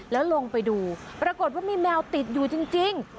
แล้วลงไปดูปรากฏว่ามีแมวติดอยู่จริง